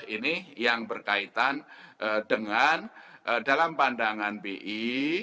ini yang berkaitan dengan dalam pandangan bi